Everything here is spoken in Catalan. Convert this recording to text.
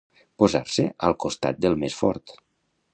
Posar-se al costat del més fort.